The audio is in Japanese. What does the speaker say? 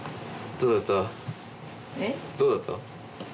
どうだった？